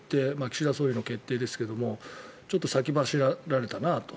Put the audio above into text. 岸田総理の決定ですがちょっと先走られたなと。